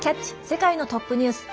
世界のトップニュース」。